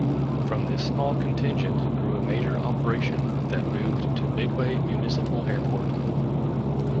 From this small contingent grew a major operation that moved to Midway Municipal Airport.